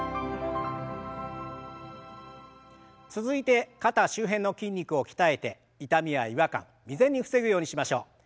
続いて肩周辺の筋肉を鍛えて痛みや違和感未然に防ぐようにしましょう。